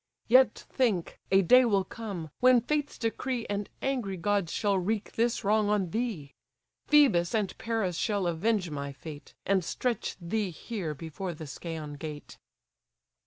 Yet think, a day will come, when fate's decree And angry gods shall wreak this wrong on thee; Phœbus and Paris shall avenge my fate, And stretch thee here before the Scæan gate."